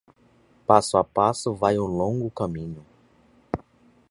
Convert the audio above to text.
Passo a passo vai um longo caminho.